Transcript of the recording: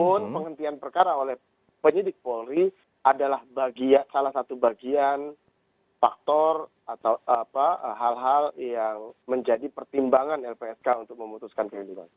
namun penghentian perkara oleh penyidik polri adalah salah satu bagian faktor atau hal hal yang menjadi pertimbangan lpsk untuk memutuskan perlindungan